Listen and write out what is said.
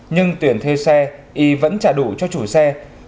nhưng tuyển thuê xe y vẫn trả đủ cho chủ xe